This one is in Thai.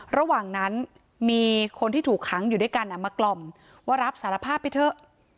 ระหว่างนั้นมีคนที่ถูกขังอยู่ด้วยกันมากล่อมว่ารับสารภาพไปเถอะ